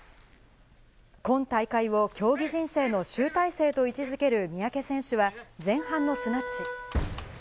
今大会を競技人生の集大成と位置づける三宅選手は、前半のスナッチ。